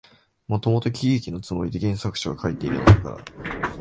もともと喜劇のつもりで原作者は書いているのだから、